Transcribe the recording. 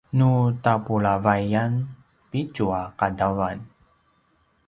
nu tapulavayan pitju a qadawan